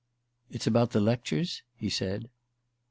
"It's about the lectures?" he said.